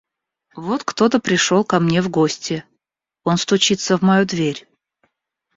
Вот кто-то пришел ко мне в гости; он стучится в мою дверь.